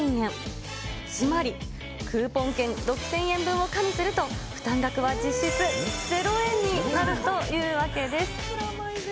つまり、クーポン券６０００円分を加味すると、負担額は実質０円になるというわけです。